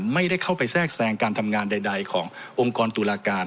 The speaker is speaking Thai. ไม่ได้เข้าไปแทรกแทรงการทำงานใดขององค์กรตุลาการ